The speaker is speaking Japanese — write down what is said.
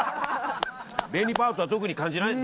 紅パートは特に感じない？